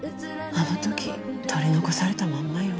あの時取り残されたまんまよ。